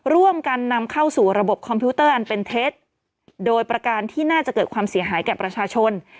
ร่วมกันนำเข้าสู่ระบบคอมพิวเตอร์อันเป็นเท็จโดยประการที่น่าจะเกิดความเสียหายแก่ประชาชน